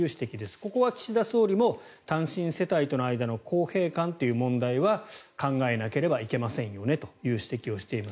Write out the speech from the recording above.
ここは岸田総理も単身世帯との間との公平感という問題は考えなければいけませんよねという指摘をしています。